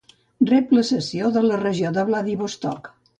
Rep la cessió de la regió de Vladivostok.